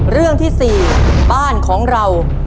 เรื่องที่๔บ้านของเรา